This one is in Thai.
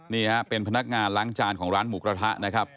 นี่ฮะเป็นพนักงานล้างจานของร้านหมูกระทะนะครับ